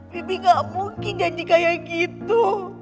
bibi gak mungkin janji kayak gitu